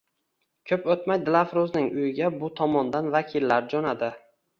Ko`p o`tmay Dilafruzning uyiga bu tomondan vakillar jo`nadi